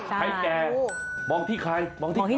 ใครแก่มองที่ใครมองที่ใคร